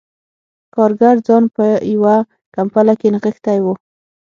کارګر ځان په یوه کمپله کې نغښتی و